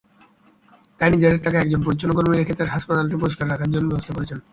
তাই নিজেদের টাকায় একজন পরিচ্ছন্নতাকর্মী রেখে তাঁরা হাসপাতালটি পরিষ্কার রাখার ব্যবস্থা করেছেন।